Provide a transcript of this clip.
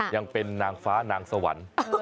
ยังเป็นนางฟ้านางสวรรค์